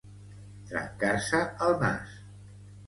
Trencar-se el nas.